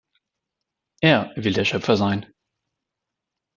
Er will der Schöpfer sein.